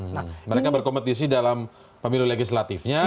ini bukan untuk melakukan kompetisi dalam pemilihan legislatifnya